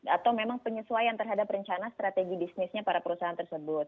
atau memang penyesuaian terhadap rencana strategi bisnisnya para perusahaan tersebut